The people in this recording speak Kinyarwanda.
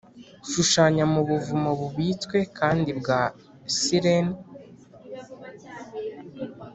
shushanya mu buvumo bubitswe kandi bwa siren,